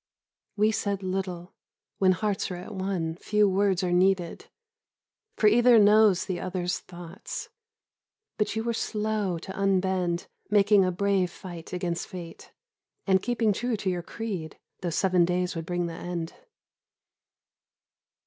We said little; when hearts are at one, few words are needed, for either knows the other's thoughts. But you were slow to unbend, making a brave fight against fate, and keeping true to your creed, though seven days would bring the end.